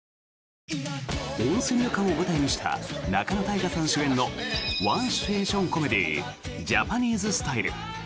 温泉旅館を舞台にした仲野太賀さん主演のワンシチュエーションコメディー「ジャパニーズスタイル」。